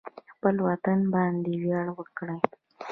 خپل وطن باندې ویاړ وکړئ